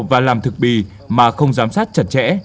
và làm thực bì mà không giám sát chặt chẽ